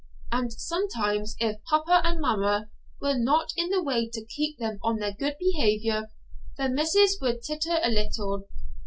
And sometimes, if papa and mamma were not in the way to keep them on their good behaviour, the misses would titter a little.